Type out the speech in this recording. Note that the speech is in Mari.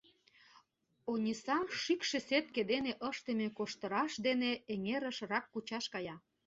Ониса шӱкшӧ сетке дене ыштыме коштыраш дене эҥерыш рак кучаш кая.